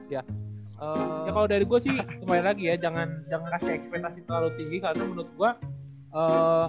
ya kalau dari gue sih kembali lagi ya jangan kasih ekspektasi terlalu tinggi karena menurut gue